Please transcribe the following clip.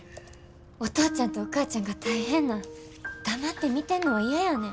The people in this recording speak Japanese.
お父ちゃんとお母ちゃんが大変なん黙って見てんのは嫌やねん。